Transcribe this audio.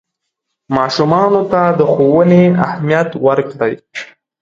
ماشومانو ته د ښوونې اهمیت ورکړئ.